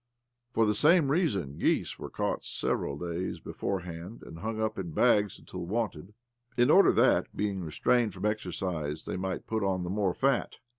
For the same reason geese were caught several days beforehand, and hung up in bags until wanted, in order that, being restrained from exercise, they might put on the more fat.